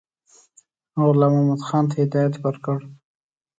غلام محمدخان ته هدایت ورکړ.